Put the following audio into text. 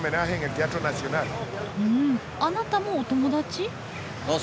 あなたもお友達？